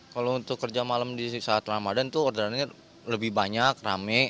kalau untuk kerja malam di saat ramadan tuh orderannya lebih banyak rame